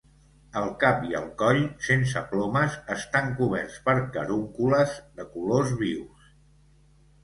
El cap i el coll, sense plomes, estan coberts per carúncules de colors vius.